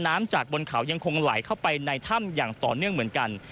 จากบนเขายังคงไหลเข้าไปในถ้ำอย่างต่อเนื่องเหมือนกัน